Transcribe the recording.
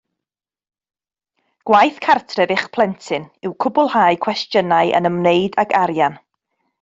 Gwaith cartref eich plentyn yw cwblhau cwestiynau yn ymwneud ag arian